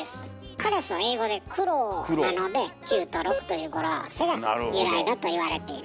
カラスは英語で「Ｃｒｏｗ」なので９と６という語呂合わせが由来だといわれています。